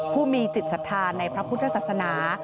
ผู้มีจิตศรัทธาในพระพุทธศาสนา